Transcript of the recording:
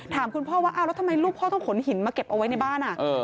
ถามคุณพ่อว่าอ้าวแล้วทำไมลูกพ่อต้องขนหินมาเก็บเอาไว้ในบ้าน